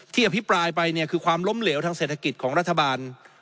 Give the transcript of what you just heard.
อภิปรายไปเนี่ยคือความล้มเหลวทางเศรษฐกิจของรัฐบาล